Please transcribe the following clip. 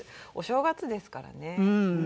お正月ですからね。